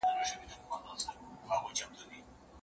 د روسیې سفیر په اصفهان کې شپږ میاشتې تېرې کړې.